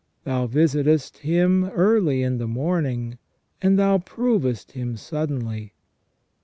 Thou visitest him early in the morning, and Thou provest him suddenly.